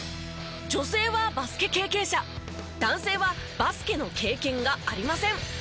女性はバスケ経験者男性はバスケの経験がありません。